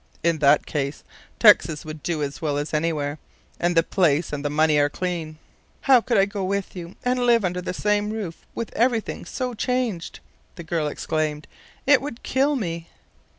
In that case, Texas would do as well as anywhere; and the place and the money are clean." "How could I go with you, and live under the same roof, with everything so changed?" the girl exclaimed. "It would kill me!"